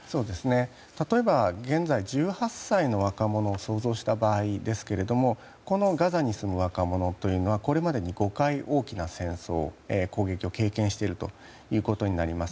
例えば現在１８歳の若者を想像した場合ですがこのガザに住む若者はこれまでに５回大きな戦争、攻撃を経験していることになります。